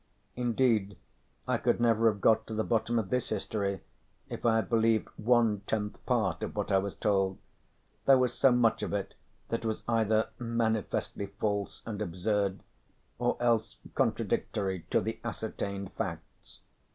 Indeed I could never have got to the bottom of this history if I had believed one tenth part of what I was told, there was so much of it that was either manifestly false and absurd, or else contradictory to the ascertained facts.